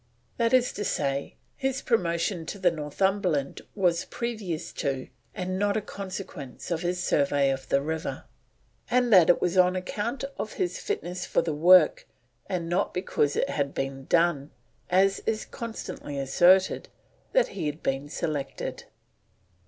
That is to say, his promotion to the Northumberland was previous to, and not a consequence of his survey of the river, and that it was on account of his fitness for the work, and not because it had been done, as is constantly asserted, that he had been selected.